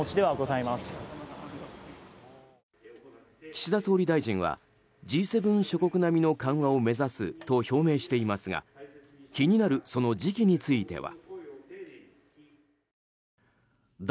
岸田総理大臣はＧ７諸国並みの緩和を目指すと表明していますが気になるその時期については。